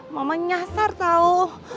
mama nyasar tau